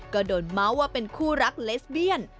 ก็โดนเมาส์ว่าเป็นคู่รักเลสเบียน